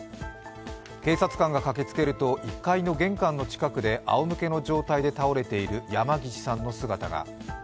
警察官が駆けつけると、１階の玄関の近くで仰向けの状態で倒れている山岸さんの姿が。